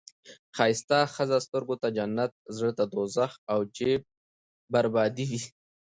ښایسته ښځه سترګو ته جنت، زړه ته دوزخ او جیب بربادي وي.